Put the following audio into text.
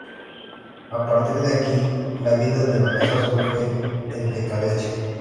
A partir de aquí, la vida de Vanessa solo fue en decadencia.